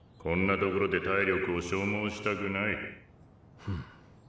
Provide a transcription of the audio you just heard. こんなところで体力を消耗したくない。